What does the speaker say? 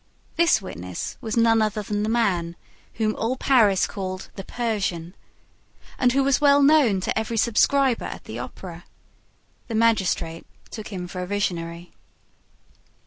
This witness was none other than the man whom all Paris called the "Persian" and who was well known to every subscriber to the Opera. The magistrate took him for a visionary.